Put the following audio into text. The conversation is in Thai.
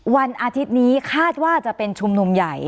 วันอาทิตย์นี้คาดว่าจะเป็นชุมนุมใหญ่